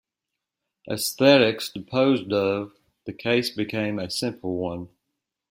Aesthetics disposed of, the case became a simple one.